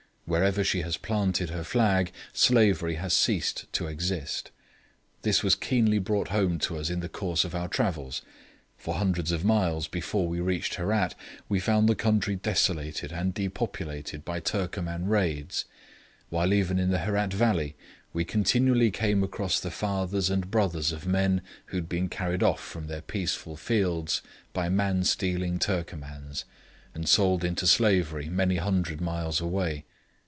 Wherever she has planted her flag slavery has ceased to exist. This was keenly brought home to us in the course of our travels. For hundreds of miles before we reached Herat we found the country desolated and depopulated by Turcoman raids, while even in the Herat valley we continually came across the fathers and brothers of men who had been carried off from their peaceful fields by man stealing Turcomans, and sold into slavery many hundred miles away.